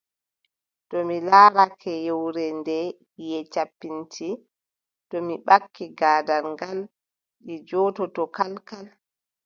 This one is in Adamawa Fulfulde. To laatake yewre nde ƴiƴe campiti, to mi ɓakki gaadal ngaal, ɗe njoototoo kalkal.